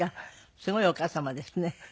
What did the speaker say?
すごいお母様ですね。